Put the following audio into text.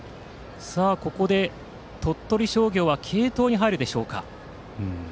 ここで鳥取商業は継投に入るでしょうか。